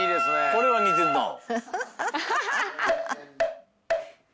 「これは似てるなあ」